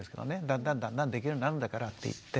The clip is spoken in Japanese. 「だんだんだんだんできるようになるんだから」って言って。